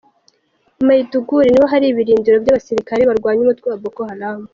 Maiduguri niho hari ibirindiro by’abasirikare barwanya umutwe wa Boko Haram.